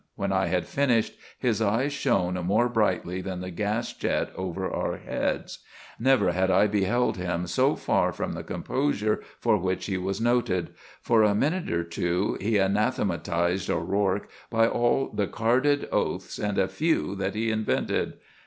When I had finished his eyes shone more brightly than the gas jet over our heads. Never had I beheld him so far from the composure for which he was noted. For a minute or two he anathematised O'Rourke by all the carded oaths and a few that he invented.